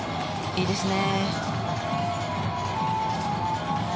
いいですね。